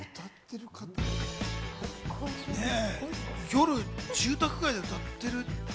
夜、住宅街で歌ってる。